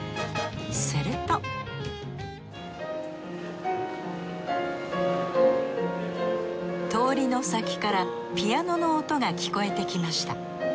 すると通りの先からピアノの音が聞こえてきました。